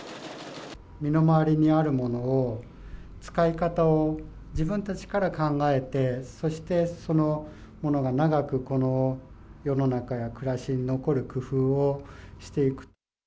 身の回りにあるものを使い方を、自分たちから考えて、そして、そのものが長くこの世の中や暮らしに残る工夫をしていく。